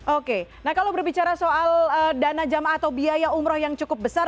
oke nah kalau berbicara soal dana jamaah atau biaya umroh yang cukup besar